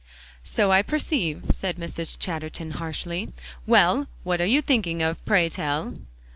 "So I perceive," said Mrs. Chatterton harshly. "Well, and what are you thinking of, pray tell?"